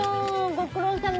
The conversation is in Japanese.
ご苦労さま！